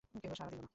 কেহ সাড়া দিল না।